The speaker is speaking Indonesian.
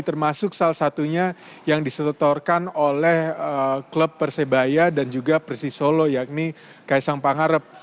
termasuk salah satunya yang disetorkan oleh klub persebaya dan juga persisolo yakni kaisang pangarep